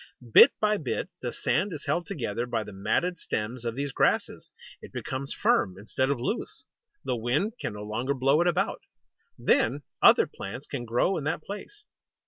Bit by bit, the sand is held together by the matted stems of these grasses. It becomes firm, instead of loose; the wind can no longer blow it about. Then other plants can grow in that place.